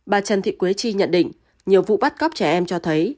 bà trần thị quế chi nhận định nhiều vụ bắt cóc trẻ em cho thấy